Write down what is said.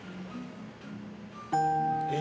え？